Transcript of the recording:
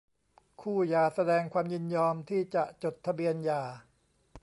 คู่หย่าแสดงความยินยอมที่จะจดทะเบียนหย่า